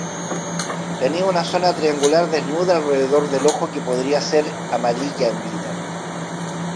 Tenía una zona triangular desnuda alrededor del ojo que podría ser amarilla en vida.